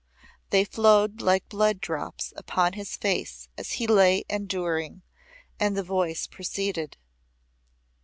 They flowed like blood drops upon his face as he lay enduring, and the voice proceeded.)